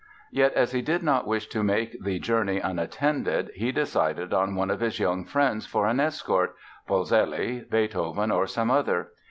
Yet as he did not wish to make the journey unattended he decided on one of his young friends for an escort—Polzelli, Beethoven or some other.